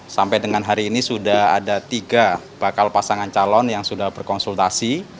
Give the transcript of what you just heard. sampai dengan hari ini sudah ada tiga bakal pasangan calon yang sudah berkonsultasi